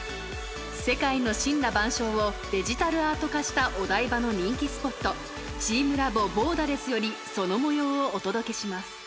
世界の森羅万象をデジタルアート化したお台場の人気スポット、チームラボボーダレスより、そのもようをお届けします。